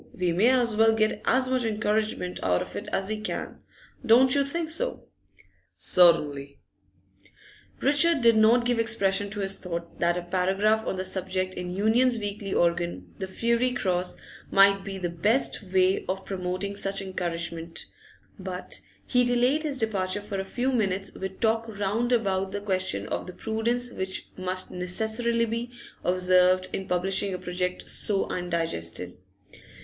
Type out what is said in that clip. We may as well get as much encouragement out of it as we can. Don't you think so?' 'Certainly.' Richard did not give expression to his thought that a paragraph on the subject in the Union's weekly organ, the 'Fiery Cross,' might be the best way of promoting such encouragement; but he delayed his departure for a few minutes with talk round about the question of the prudence which must necessarily be observed in publishing a project so undigested.